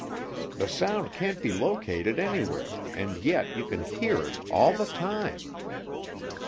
The sound can't be located anywhere, and yet you can hear it all the time.